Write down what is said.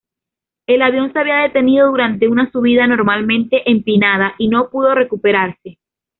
El avión se había detenido durante una subida anormalmente empinada y no pudo recuperarse.